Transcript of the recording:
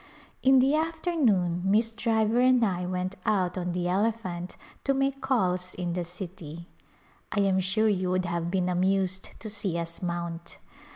A Pilgrimage In the afternoon Miss Driver and I went out on the elephant to make calls in the city. I am sure you would have been amused to see us mount.